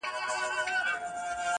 ښكلي دا ستا په يو نظر كي جــادو.